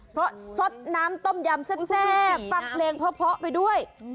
เพราะสดน้ำต้มยำแซ่บฟังเพลงเพาะไปด้วย